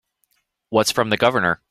What's from the Governor?